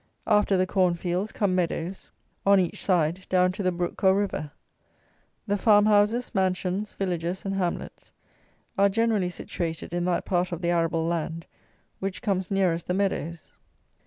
After the corn fields come meadows, on each side, down to the brook or river. The farm houses, mansions, villages, and hamlets, are generally situated in that part of the arable land which comes nearest the meadows.